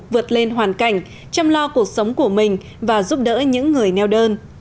vượt lên hoàn cảnh chăm lo cuộc sống của mình và giúp đỡ những người neo đơn